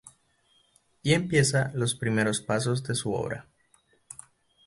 Y empieza los primeros pasos de su obra.